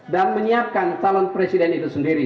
dan menyiapkan talent presiden itu sendiri